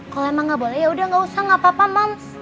kalau emang nggak boleh yaudah nggak usah nggak apa apa moms